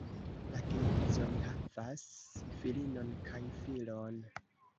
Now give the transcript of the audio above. La geedzoj havas filinon kaj filon.